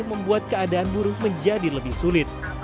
membuat keadaan buruh menjadi lebih sulit